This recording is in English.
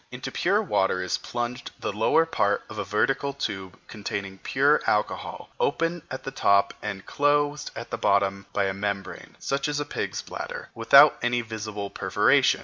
Into pure water is plunged the lower part of a vertical tube containing pure alcohol, open at the top and closed at the bottom by a membrane, such as a pig's bladder, without any visible perforation.